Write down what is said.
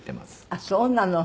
ああそうなの。